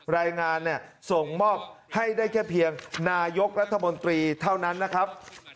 รายงานส่งมอบให้ได้แค่เพียงนายกรัฐมนตรีเท่านั้นนะครับ